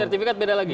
sertifikat beda lagi